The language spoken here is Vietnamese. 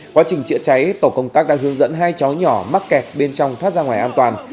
quá trình chữa cháy tổ công tác đã hướng dẫn hai cháu nhỏ mắc kẹt bên trong thoát ra ngoài an toàn